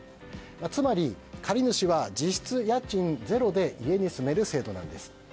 つまり、借り主は実質家賃ゼロで家に住める制度なんです。